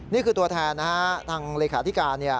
นี่คือตัวแทนนะฮะทางเลขาธิการ